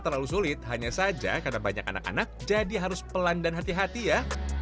terlalu sulit hanya saja karena banyak anak anak jadi harus pelan dan hati hati ya